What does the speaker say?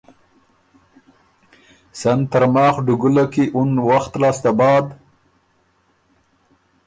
سن ترماخ ډُوګُوله کی اُن وخت لاسته بعد؟“